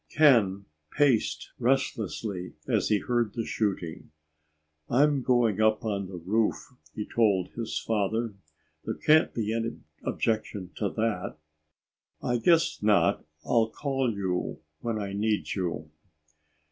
Ken paced restlessly as he heard the shooting. "I'm going up on the roof," he told his father. "There can't be any objection to that." "I guess not. I'll call you when we need you."